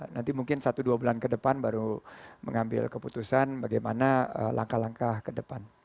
nanti mungkin satu dua bulan ke depan baru mengambil keputusan bagaimana langkah langkah ke depan